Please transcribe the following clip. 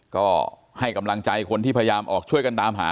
ก็ให้กำลังใจคนที่พยายามออกช่วยกันตามหา